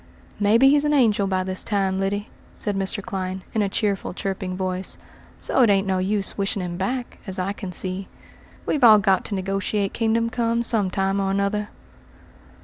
"Maybe he's an angel by this time, Lyddy," said Mr. Clyne, in a cheerful, chirping voice, "so it ain't no use wishing him back, as I can see. We've all got to negotiate kingdom come some time or another."